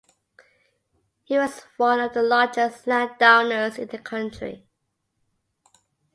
He was one of the largest landowners in the country.